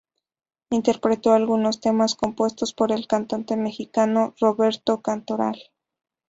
Interpretó algunos temas compuestos por el cantante mexicano Roberto Cantoral.